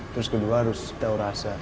terus kedua harus tahu rasa